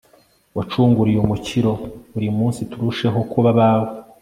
wacunguriye umukiro, buri munsi turusheho kuba abawe